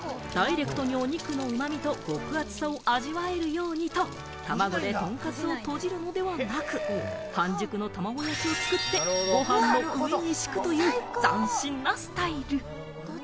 しかもダイレクトにお肉のうまみと極厚さを味わえるようにと、たまごでとんかつをとじるのではなく、半熟の卵焼きを作ってご飯の上に敷く、斬新なスタイル。